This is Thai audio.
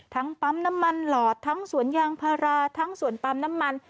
ปั๊มน้ำมันหลอดทั้งสวนยางพาราทั้งสวนปั๊มน้ำมัน